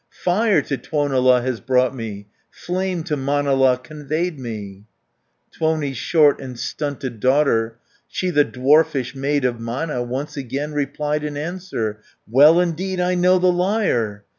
"Fire to Tuonela has brought me, Flame to Manala conveyed me." Tuoni's short and stunted daughter. She the dwarfish maid of Mana, 230 Once again replied in answer: "Well indeed I know the liar!